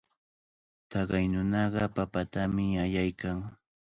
Taqay nunaqa papatami allaykan.